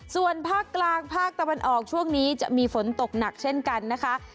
ส่วนภาคกลางภาคตะวันออกช่วงนี้จะมีฝนตกหนักเช่นกันนะคะ